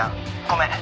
ごめん。